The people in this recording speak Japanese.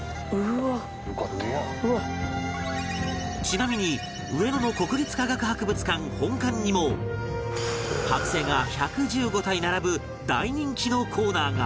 ちなみに上野の国立科学博物館本館にも剥製が１１５体並ぶ大人気のコーナーが